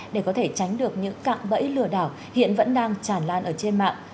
để có thể tránh được những cạm bẫy lừa đảo hiện vẫn đang tràn lan ở trên mạng